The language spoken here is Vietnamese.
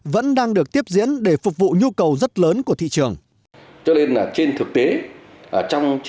vẫn đang được tiếp diễn để phục vụ nhu cầu rất lớn của thị trường